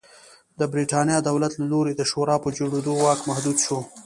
د برېټانیا دولت له لوري د شورا په جوړېدو واک محدود شو.